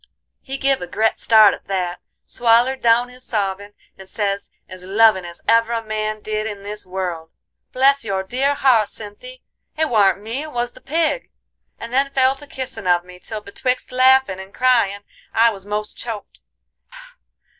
He give a gret start at that, swallered down his sobbin', and sez as lovin' as ever a man did in this world: "'Bless your dear heart, Cynthy, it warn't me it was the pig;' and then fell to kissin' of me, till betwixt laughin' and cryin' I was most choked.